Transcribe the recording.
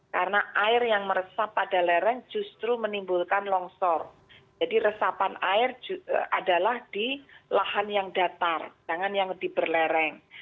karena air yang meresap pada lereng justru menimbulkan longsor jadi resapan air adalah di lahan yang datar jangan yang diberlereng